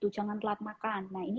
jangan telat makan nah ini